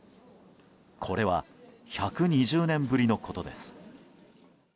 これは１２０年ぶりのことです。